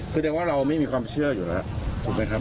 คือเรียกว่าเราไม่มีความเชื่ออยู่แล้วครับ